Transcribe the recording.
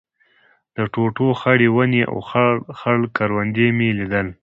د توتو خړې ونې او خړ خړ کروندې مې لیدل.